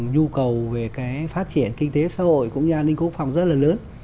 nhu cầu về cái phát triển kinh tế xã hội của nhà ninh quốc phòng rất là lớn